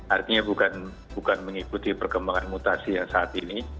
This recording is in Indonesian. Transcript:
artinya bukan mengikuti perkembangan mutasi yang saat ini